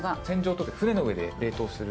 凍結船の上で冷凍する。